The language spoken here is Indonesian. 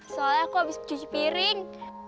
soalnya aku habis cuci piring